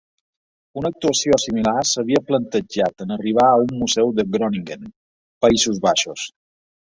Una actuació similar s'havia planejat en arribar a un museu de Groningen, Països Baixos.